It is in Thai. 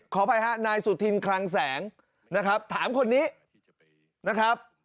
ขออภัยฮะนายสุธินคลังแสงนะครับถามคนนี้นะครับ